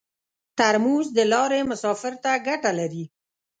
ترموز د لارې مسافر ته ګټه لري.